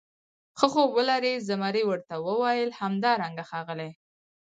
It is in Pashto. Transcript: ښه خوب ولرې، زمري ورته وویل: همدارنګه ښاغلی.